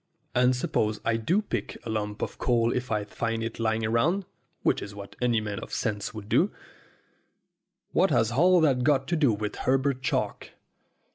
and suppose I do pick up a lump of coal if I find it lying about which is what any man of sense would do what has all that got to do with Her bert Chalk?